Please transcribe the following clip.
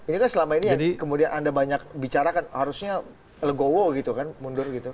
ini kan selama ini kemudian anda banyak bicara kan harusnya legowo gitu kan mundur gitu